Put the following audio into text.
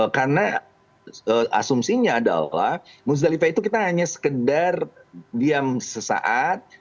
karena asumsinya adalah bustalifah itu kita hanya sekedar diam sesaat